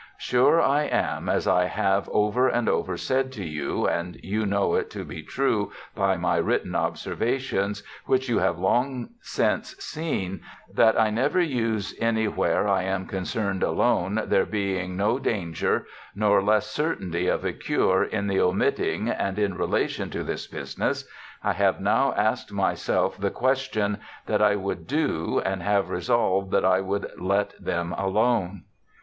Sure I am as I have over and over sayd to you and you know it to be true by my written observa tions which you have long since seen, that I never use any where I am concerned alone, there being noe danger nor less certainty of a cure in the omitting and in relation to this business I have now asked myselfe the question that I would doe and have resolved that I would lett them alone.